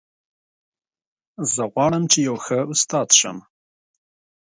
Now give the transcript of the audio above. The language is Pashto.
زه غواړم چې یو ښه استاد شم